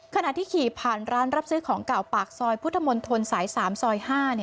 ขณะที่ขี่ผ่านร้านรับซื้อของเก่าปากซอยพุทธมนตรสาย๓ซอย๕